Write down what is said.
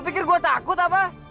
pikir gue takut apa